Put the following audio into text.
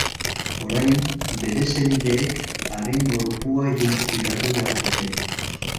Orain, bere senideek haren gorpua identifikatu behar dute.